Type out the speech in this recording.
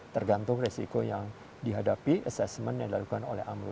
tergantung resiko yang dihadapi assessment yang dilakukan oleh amlo